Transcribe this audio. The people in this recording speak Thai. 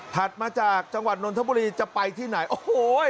มาจากจังหวัดนนทบุรีจะไปที่ไหนโอ้โห